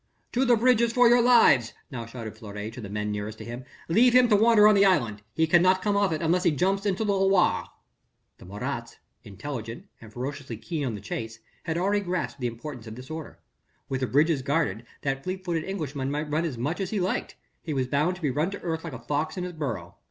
"To the bridges for your lives!" now shouted Fleury to the men nearest to him. "Leave him to wander on the island. He cannot come off it, unless he jumps into the Loire." The Marats intelligent and ferociously keen on the chase had already grasped the importance of this order: with the bridges guarded that fleet footed Englishman might run as much as he liked, he was bound to be run to earth like a fox in his burrow.